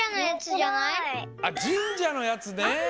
あっじんじゃのやつね！